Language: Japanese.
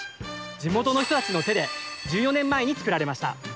地元の人たちの手で１４年前に作られました。